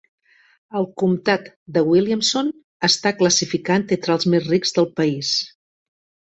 El comtat de Williamson està classificat entre els més rics del país.